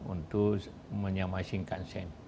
untuk menyamai shinkansen